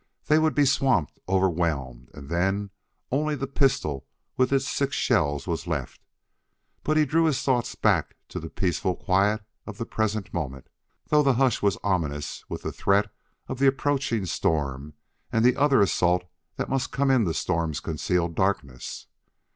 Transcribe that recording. They would be swamped, overwhelmed, and then only the pistol with its six shells was left. But he drew his thoughts back to the peaceful quiet of the present moment, though the hush was ominous with the threat of the approaching storm and of the other assault that must come in the storm's concealing darkness.